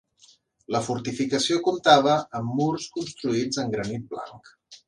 La fortificació comptava amb murs construïts en granit blanc.